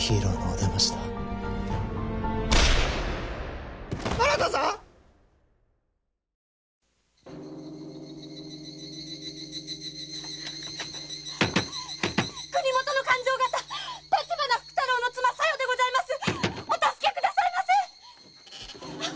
お助け下さいませ！